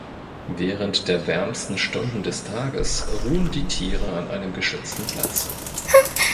Während der wärmsten Stunden des Tages ruhen die Tiere an einem geschützten Platz.